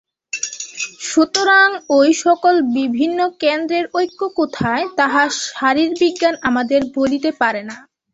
সুতরাং ঐ-সকল বিভিন্ন কেন্দ্রের ঐক্য কোথায়, তাহা শারীরবিজ্ঞান আমাদের বলিতে পারে না।